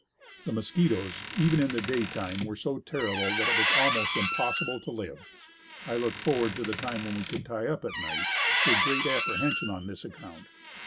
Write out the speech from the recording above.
The mosquitoes, even in the daytime were so terrible that it was almost impossible to live. I looked forward to the time when we would tie up for the night, with great apprehension on this account.